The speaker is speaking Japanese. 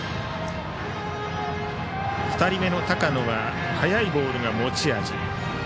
２人目の高野は速いボールが持ち味。